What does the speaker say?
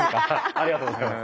ありがとうございます。